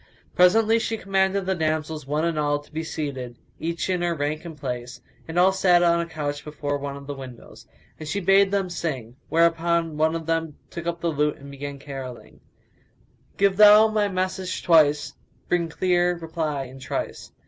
Presently she commanded the damsels, one and all, to be seated, each in her rank and place, and all sat on a couch before one of the windows, and she bade them sing; whereupon one of them took up the lute and began caroling, "Give thou my message twice * Bring clear reply in trice!